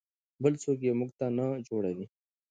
بل څوک یې موږ ته نه جوړوي.